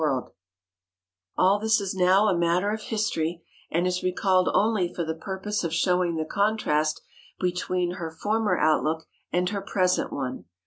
[Sidenote: A LIBRARY ATTENDANT] All this is now a matter of history, and is recalled only for the purpose of showing the contrast between her former outlook and her present one.